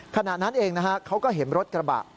ขนาดนั้นเองเขาก็เห็นรถกระบะ